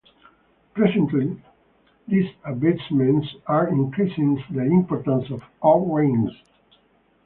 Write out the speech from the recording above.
Presently, these advancements are increasing the importance of O-rings.